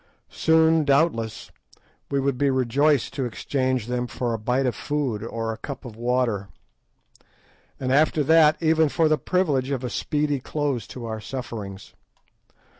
Soon, doubtless, we should be rejoiced to exchange them for a bit of food or a cup of water, and, after that, even for the privilege of a speedy close to our sufferings.